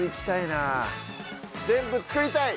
全部作りたい！